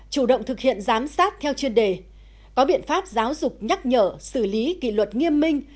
chủ động thực hiện giám sát theo chuyên đề có biện pháp giáo dục nhắc nhở xử lý kỷ luật nghiêm minh